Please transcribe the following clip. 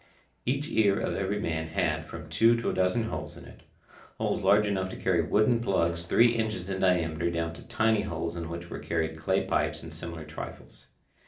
Each ear of every man had from two to a dozen holes in it—holes large enough to carry wooden plugs three inches in diameter down to tiny holes in which were carried clay pipes and similar trifles.